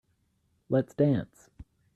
Let's dance.